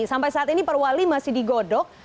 sampai saat ini perwali masih digodok